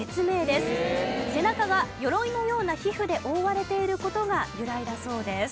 背中が鎧のような皮膚で覆われている事が由来だそうです。